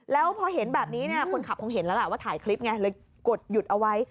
แล้วพอเห็นแบบนี้คนขับคงเห็นแล้วล่ะว่าถ่ายคลิปไงเลยกดหยุดเอาไว้